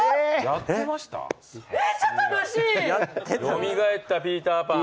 よみがえったピーターパン。